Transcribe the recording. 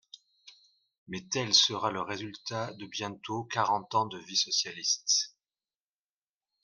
Mais tel sera le résultat de bientôt quarante ans de vie socialiste.